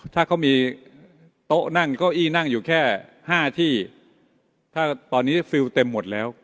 ถ้าเขามีโต๊ะนั่งเก้าอี้นั่งอยู่แค่๕ที่ถ้าตอนนี้ฟิลเต็มหมดแล้ว